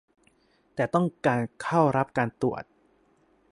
แต่ต้องการเข้ารับการตรวจ